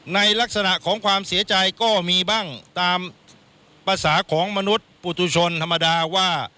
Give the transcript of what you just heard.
ในลักษณะของความเสียใจก็มีบ้างตามภาษาของมนุษย์ปุตุชนธรรมดาว่า